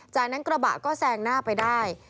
จากนั้นกระบะก็แซงหน้าไปได้